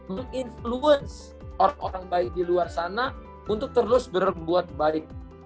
menginfluence orang orang baik di luar sana untuk terus berbuat baik